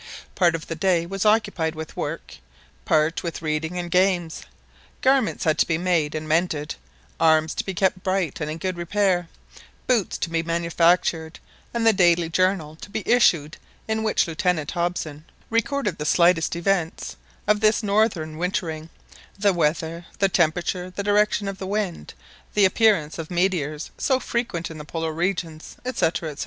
Part of the day was occupied with work, part with reading and games. Garments had to be made and mended, arms to be kept bright and in good repair, boots to be manufactured, and the daily journal to be issued in which Lieutenant Hobson recorded the slightest events of this northern wintering the weather, the temperature, the direction of the wind, the appearance of meteors so frequent in the Polar regions, &c., &c.